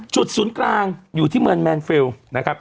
ศูนย์กลางอยู่ที่เมืองแมนเฟลล์นะครับ